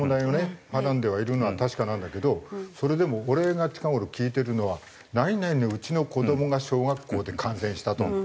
はらんでいるのは確かなんだけどそれでも俺が近頃聞いてるのは何々のうちの子どもが小学校で感染したと。